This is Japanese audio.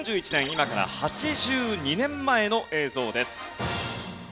今から８２年前の映像です。